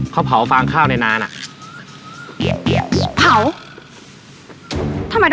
เค้าเผาฟางข้าวในนานอ่ะ